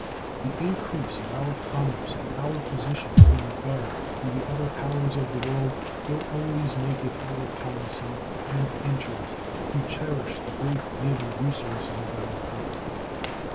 The increase of our commerce and our position in regard to the other powers of the world will always make it our policy and interest to cherish the great naval resources of our country.